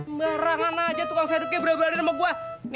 sembarangan aja tukang sedekil beradu adu sama gua